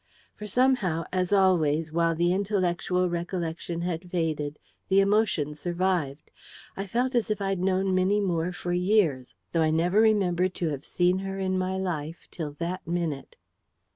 For somehow, as always, while the intellectual recollection had faded, the emotion survived. I felt as if I'd known Minnie Moore for years, though I never remembered to have seen her in my life till that minute.